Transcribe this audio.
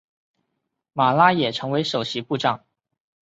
马拉也成为首席部长。